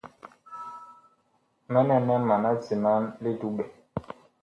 Mɛnɛ nɛ mana timan li duɓɛ.